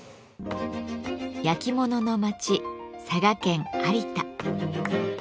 焼き物の町佐賀県有田。